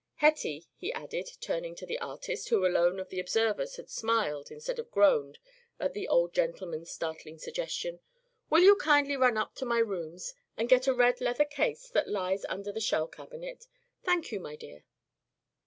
Hetty," he added, turning to the artist, who alone of the observers had smiled instead of groaned at the old gentleman's startling suggestion, "will you kindly run up to my rooms and get a red leather case that lies under the shell cabinet? Thank you, my dear."